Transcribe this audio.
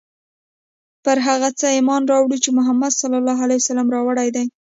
پر هغه څه ایمان راوړی چې محمد ص راوړي دي.